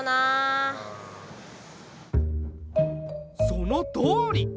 そのとおり！